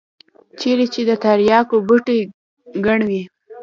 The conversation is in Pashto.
چېرته چې د ترياکو بوټي گڼ وي.